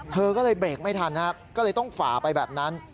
เธอก็เลยเบรกไม่ทันครับก็เลยต้องฝ่าไปแบบนั้น